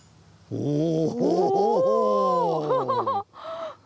おお！